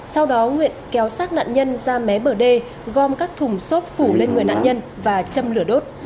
sau đó nguyện kéo sát nạn nhân ra mé bờ đê gom các thùng xốp phủ lên người nạn nhân và châm lửa đốt